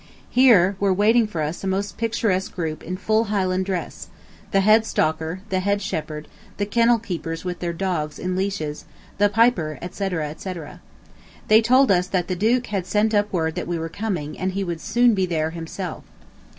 Here were waiting for us a most picturesque group in full Highland dress: the head stalker, the head shepherd, the kennel keepers with their dogs in leashes, the piper, etc., etc. They told us that the Duke had sent up word that we were coming and he would soon be there himself.